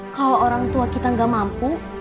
kalau orang tua kita nggak mampu